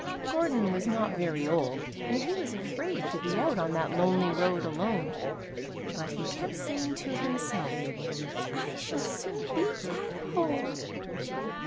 Gordon was not very old, and he was afraid to be out on that lonely road alone, but he kept saying to himself, "I shall soon be at home."